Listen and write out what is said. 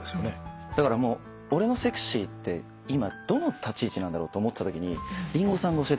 だからもう俺のｓｅｘｙって今どの立ち位置なんだろうと思ったときに林檎さんが教えてくれましたね。